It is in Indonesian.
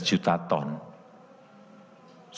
sangat besar sekali